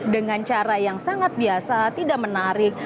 dengan cara yang sangat biasa tidak menarik